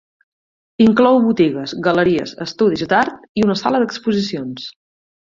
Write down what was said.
Inclou botigues, galeries, estudis d'art i una sala d'exposicions.